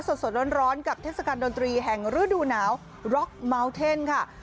สดร้อนกับเทศกาลดนตรีแห่งฤดูหนาวร็อกเมาเทนค่ะ